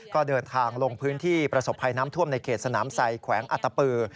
ก็เดินทางลงพื้นที่ประสบภัยน้ำท่วมในเขตสนามไซแขวงอัตปือ